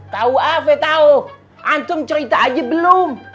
tahu afe tahu antum cerita aja belum